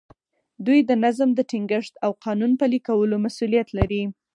دوی د نظم د ټینګښت او قانون پلي کولو مسوولیت لري.